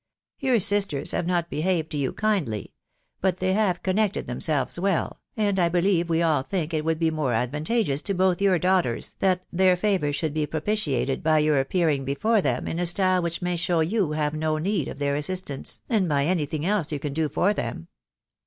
Your sisters have not behaved to you kindly, but they have connected themselves well, and I believe we all think it would be more advantageous to both your daughters that their favour should be propitiated by your appearing before them in a style which may show you. have no need of their assistance, than by any thing else yon can do for them.